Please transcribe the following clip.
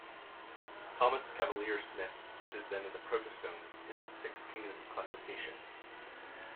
Thomas Cavalier-Smith places them in the protostomes in his "Six Kingdom" classification.